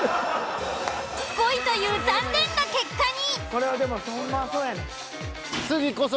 ５位という残念な結果に。